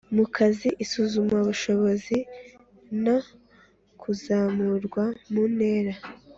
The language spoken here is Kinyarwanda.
mu kazi isuzumabushobozi no kuzamurwa mu ntera.